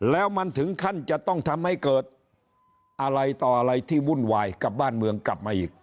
แล้วมันถึงขั้นจะต้องทำให้เกิดอะไรต่ออะไรที่วุ่นวายกับบ้านเมืองกลับมาอีก